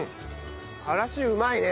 からしうまいね。